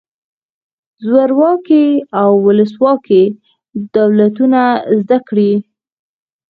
زورواکي او ولسواکي دولتونه زده کړئ.